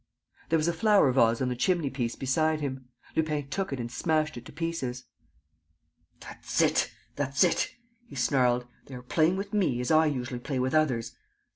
There was a flower vase on the chimney piece beside him. Lupin took it and smashed it to pieces. "That's it, that's it," he snarled. "They are playing with me as I usually play with others.